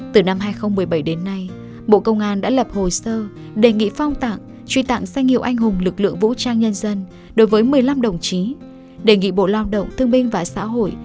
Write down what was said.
từ năm hai nghìn một mươi bảy đến nay bộ công an đã lập hồ sơ đề nghị phong tặng truy tặng danh hiệu anh hùng lực lượng vũ trang nhân dân đối với một mươi năm đồng chí đề nghị bộ lao động thương minh và xã hội